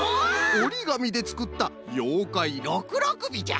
おりがみでつくったようかいろくろくびじゃ。